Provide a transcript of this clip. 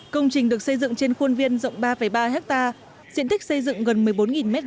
công trình được xây dựng trên khuôn viên rộng ba ba ha diện tích xây dựng gần một mươi bốn m hai